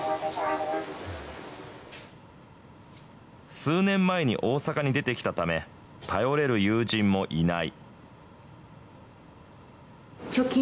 数年前に大阪に出てきたため、頼れる友人もいない。